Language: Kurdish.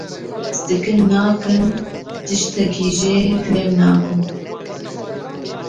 Lê ez dikim nakim tiştekî jê fêm nakim.